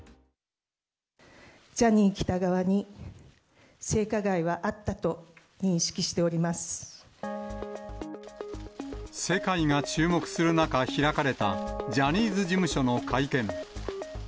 ジャニー喜多川に性加害はあ世界が注目する中、開かれたジャニーズ事務所の会見。